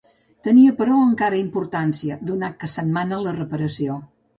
Tenia però, encara importància, donat que se'n mana la reparació.